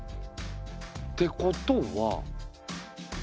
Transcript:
てことは。